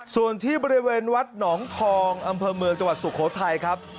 ส่วนที่บริเวณวัดหนองทองอำเภอเมืองจังหวัดสุโขทัยครับ